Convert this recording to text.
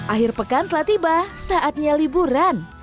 akhir pekan telah tiba saatnya liburan